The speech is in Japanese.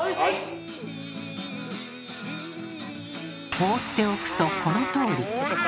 放っておくとこのとおり。